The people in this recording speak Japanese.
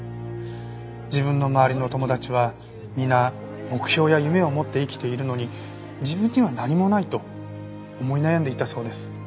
自分の周りの友達は皆目標や夢を持って生きているのに自分には何もないと思い悩んでいたそうです。